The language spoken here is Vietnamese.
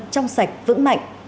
trong sạch vững mạnh